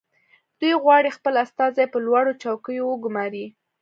دوی غواړي خپل استازي په لوړو چوکیو وګماري